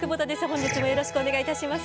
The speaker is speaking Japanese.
本日もよろしくお願いいたします。